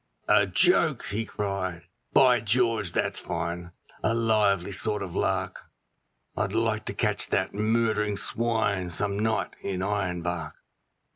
'A joke!' he cried, 'By George, that's fine; a lively sort of lark; I'd like to catch that murdering swine some night in Ironbark.'